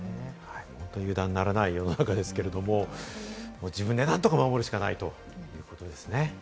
本当に油断ならない世の中ですけれども、自分でなんとか守るしかないということですね。